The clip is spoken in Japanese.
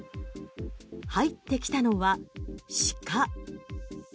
入ってきたのは鹿。